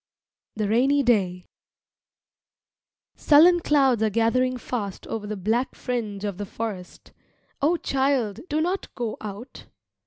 THE RAINY DAY Sullen clouds are gathering fast over the black fringe of the forest. O child, do not go out!